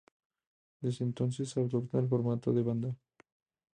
Desde entonces adoptan el formato de banda.